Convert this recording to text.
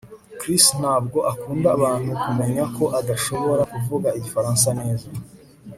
Chris ntabwo akunda abantu kumenya ko adashobora kuvuga igifaransa neza